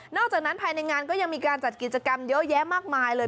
จากนั้นภายในงานก็ยังมีการจัดกิจกรรมเยอะแยะมากมายเลย